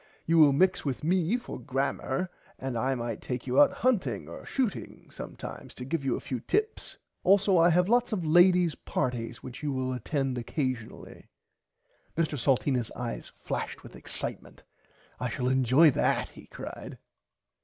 You will mix with me for grammer and I might take you out hunting or shooting sometimes to give you a few tips. Also I have lots of ladies partys which you will attend occasionally. Mr Salteenas eyes flashed with excitement. I shall enjoy that he cried.